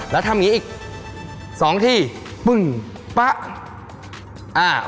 แล้วทำยังงี้อีกสองทีอ่าโอเค